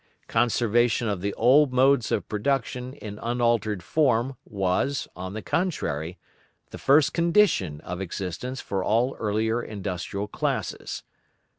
Conservation of the old modes of production in unaltered form, was, on the contrary, the first condition of existence for all earlier industrial classes.